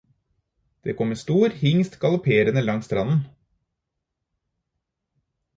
Det kom en stor hingst galopperende langs stranden